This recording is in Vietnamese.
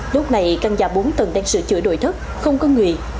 lúc này căn nhà bốn tầng đang sửa chữa đội thất không có người